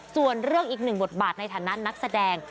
ส่วนเรื่องอีกหนึ่งบทบาทในฐานะนักแสดง